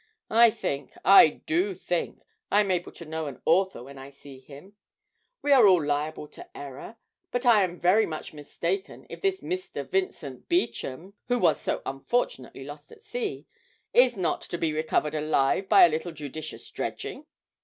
I think, I do think, I am able to know an author when I see him we are all liable to error, but I am very much mistaken if this Mr. Vincent Beauchamp (who was so unfortunately lost at sea) is not to be recovered alive by a little judicious dredging.